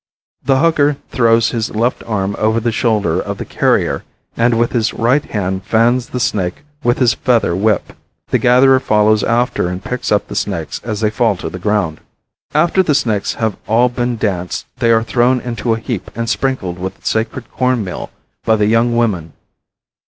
The hugger throws his left arm over the shoulder of the carrier and with his right hand fans the snake with his feather whip. The gatherer follows after and picks up the snakes as they fall to the ground. After the snakes have all been danced they are thrown into a heap and sprinkled with sacred corn meal by the young women.